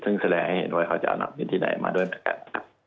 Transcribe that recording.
ซึ่งแสดงให้เห็นว่าเขาจะเอานักบินที่ไหนมาด้วยนะครับ